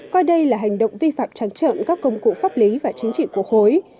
coi đây là hành động vi phạm trắng trợn các công cụ pháp lý và chính trị của khối